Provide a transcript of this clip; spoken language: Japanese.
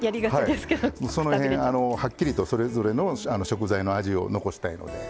その辺、はっきりとそれぞれの食材の味を残したいので。